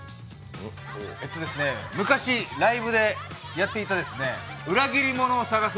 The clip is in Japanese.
昔、ライブでやっていた「裏切り者を探せ！